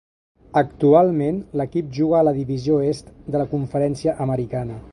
Actualment, l'equip juga a la divisió Est de la Conferència Americana.